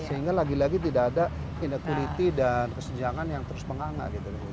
sehingga lagi lagi tidak ada inequity dan kesejangan yang terus menganga gitu